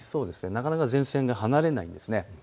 なかなか前線が離れないんです。